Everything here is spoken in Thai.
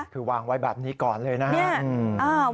คือวางไว้แบบนี้ก่อนเลยนะครับ